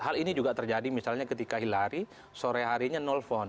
hal ini juga terjadi misalnya ketika hillary sore harinya nelfon